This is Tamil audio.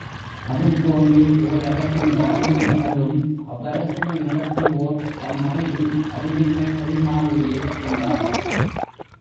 அதைப் போன்றே, ஒர் அரசின் வாழ்வும் தாழ்வும் அவ்வரசினை நடத்துவோர் தம் அறிவு, அறிவின்மை களினாலேயே உண்டாம்.